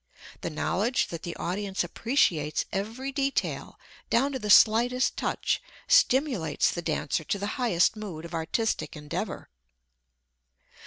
The knowledge that the audience appreciates every detail, down to the slightest touch, stimulates the dancer to the highest mood of artistic endeavor.